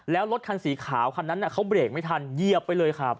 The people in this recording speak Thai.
แล้วรถคันสีขาวคันนั้นเขาเบรกไม่ทันเหยียบไปเลยครับ